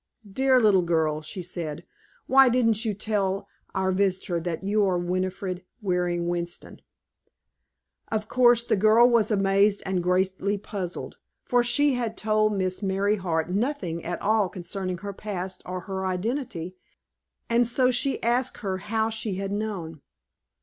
'Dear little girl,' she said, 'why didn't you tell our visitor that you are Winifred Waring Winston?'" Of course the girl was amazed and greatly puzzled, for she had told Miss Merryheart nothing at all concerning her past or her identity, and so she asked her how she had known.